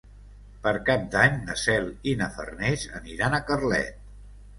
Per Cap d'Any na Cel i na Farners aniran a Carlet.